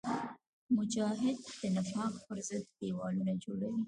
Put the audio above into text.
مجاهد د نفاق پر ضد دیوال جوړوي.